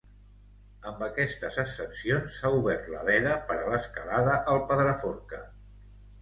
Amb aquestes ascensions s'ha obert la veda per a l'escalada al Pedraforca.